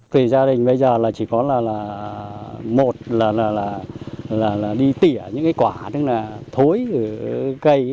tùy gia đình bây giờ chỉ có là một là đi tỉa những quả thối từ cây